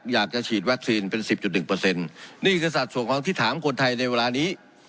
อยากจะฉีดวัคซีนเป็นสิบจุดหนึ่งเปอร์เซ็นต์นี่คือสัดส่วนของที่ถามคนไทยในเวลานี้